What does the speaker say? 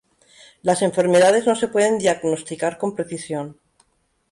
Las enfermedades no se pueden diagnosticar con precisión.